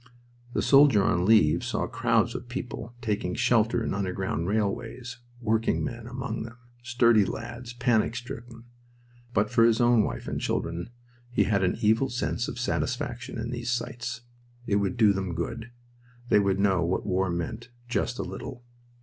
The soldier on leave saw crowds of people taking shelter in underground railways, working men among them, sturdy lads, panic stricken. But for his own wife and children he had an evil sense of satisfaction in these sights. It would do them good. They would know what war meant just a little.